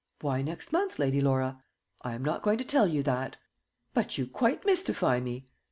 "Why next month, Lady Laura?" "I am not going to tell you that." "But you quite mystify me."